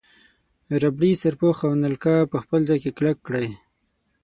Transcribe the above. ربړي سرپوښ او نلکه په خپل ځای کې کلک کړئ.